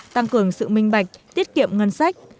tăng cường sự minh bạch tiết kiệm ngân sách